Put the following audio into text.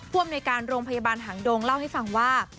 อำนวยการโรงพยาบาลหางดงเล่าให้ฟังว่า